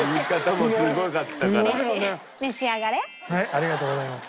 ありがとうございます。